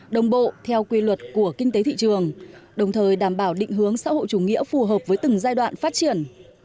đồng bộ theo quy luật của kinh tế thị trường đồng thời đảm bảo định hướng xã hội chủ nghĩa phù hợp với từng giai đoạn phát triển